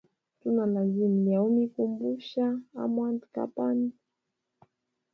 Tunalezina lya umikumbusha a mwanda kapanda.